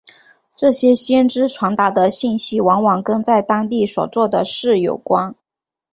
这些先知传达的信息往往跟在当时所做的事有关。